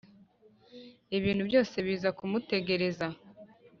ibintu byose biza kumutegereza